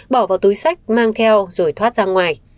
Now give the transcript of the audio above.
bỏ vào túi sách mang theo rồi thoát ra ngoài